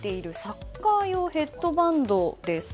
サッカー用ヘッドバンドです。